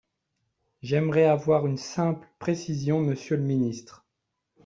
J’aimerais avoir une simple précision, monsieur le ministre.